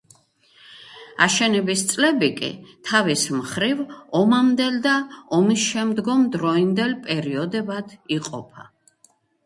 აშენების წლები კი თავის მხრივ ომამდელ და ომისშემდგომ დროინდელ პერიოდებად იყოფა.